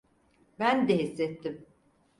Ben de hissettim.